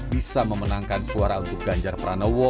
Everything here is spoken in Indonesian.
bisa memenangkan suara untuk ganjar pranowo